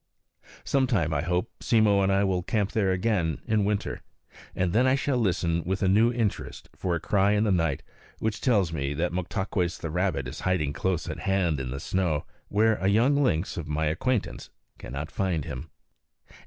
Sometime, I hope, Simmo and I will camp there again, in winter. And then I shall listen with a new interest for a cry in the night which tells me that Moktaques the rabbit is hiding close at hand in the snow, where a young lynx of my acquaintance cannot find him.